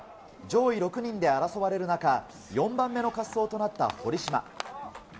上位６人で争われる中、４番目の滑走となった堀島。